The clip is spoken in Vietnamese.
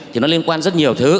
thì nó liên quan rất nhiều thứ